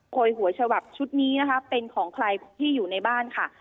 หัวฉบับชุดนี้นะคะเป็นของใครที่อยู่ในบ้านค่ะ